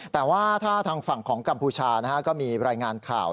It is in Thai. แต่ว่าถ้าทางฝั่งของกัมพูชาก็มีรายงานข่าว